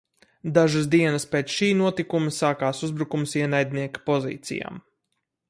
Dažas dienas pēc šī notikuma sākās uzbrukums ienaidnieka pozīcijām.